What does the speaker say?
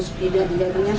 salah ada dari saya